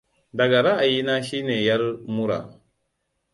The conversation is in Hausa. daga ra'ayi na shine 'yar mura